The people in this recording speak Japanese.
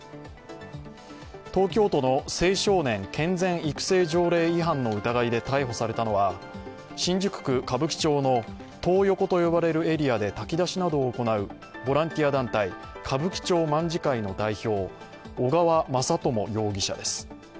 東京都の青少年健全育成条例違反の疑いで逮捕されたのは新宿区歌舞伎町のトー横と呼ばれるエリアで炊き出しなどを行うボランティア団体、歌舞伎町卍会の代表、小川雅朝容疑者です。